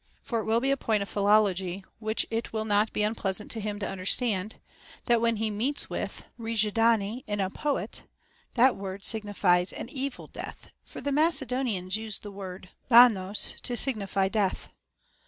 For it will be a point of philology which it will not be unpleasant to him to under stand, that when he meets with όιγεδανή in a poet, that word signifies an evil death; for the Macedonians use the word davog to signify death.